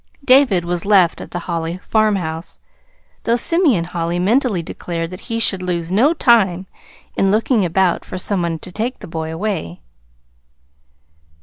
David was left at the Holly farmhouse, though Simeon Holly mentally declared that he should lose no time in looking about for some one to take the boy away.